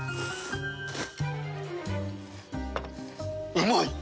うまい！